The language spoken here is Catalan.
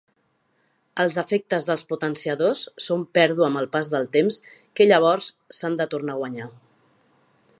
Els efectes dels potenciadors són pèrdua amb el pas del temps, que llavors s'han de tornar a guanyar.